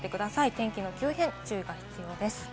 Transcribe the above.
天気の急変、注意が必要です。